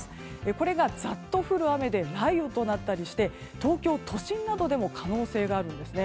これがざっと降る雨で雷雨となったりして東京都心などでも可能性があるんですね。